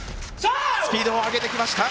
スピードを上げてきました。